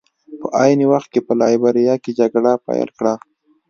په عین وخت کې یې په لایبیریا کې جګړه پیل کړه.